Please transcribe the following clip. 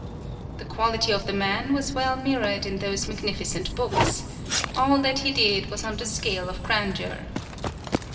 The quality of the man was well mirrored in those magnificent books all that he did was on the scale of grandeur.